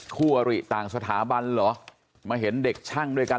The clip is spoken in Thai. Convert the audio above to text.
คู่อริต่างสถาบันเหรอมาเห็นเด็กช่างด้วยกัน